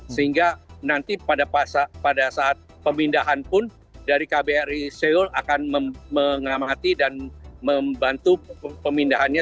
sehingga nanti pada saat pemindahan pun dari kbri seoul akan mengamati dan membantu pemindahannya